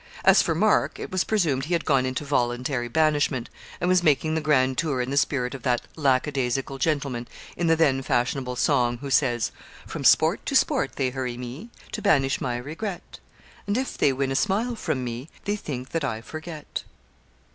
As for Mark, it was presumed he had gone into voluntary banishment, and was making the grand tour in the spirit of that lackadaisical gentleman in the then fashionable song, who says: From sport to sport they hurry me, To banish my regret, And if they win a smile from me, They think that I forget.